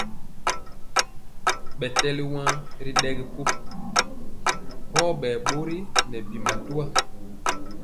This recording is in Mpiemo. Ɓɛ tɛli wan ri ɗɛgi ko, ɔ ɓɛɛ ɓori nɛ bi matwa.